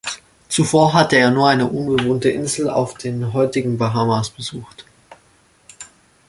Zuvor hatte er nur eine unbewohnte Insel auf den heutigen Bahamas besucht.